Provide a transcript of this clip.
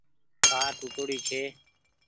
ڪآر ٽوُٽوڙي ڇي۔